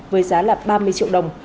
với giá là ba mươi triệu đồng